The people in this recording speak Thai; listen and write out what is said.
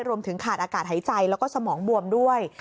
รวมถึงขาดอากาศหายใจแล้วก็สมองบวมด้วย